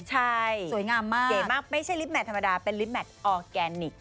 ใช่สวยงามมากเก๋มากไม่ใช่ลิฟแมทธรรมดาเป็นลิฟแมทออร์แกนิค